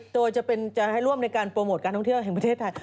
โดยจะให้ร่วมในการโปรโมทการท่องเที่ยวแห่งประเทศไทย